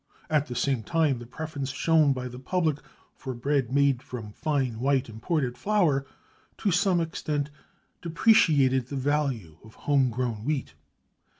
At the same time the preference shown by the public for bread made from fine white imported flour, to some extent depreciated the value of home grown wheat.